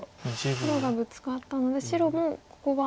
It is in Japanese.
黒がブツカったので白もここは。